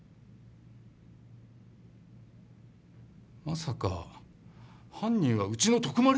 まさか犯人はうちの徳丸？